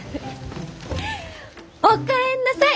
お帰りなさい！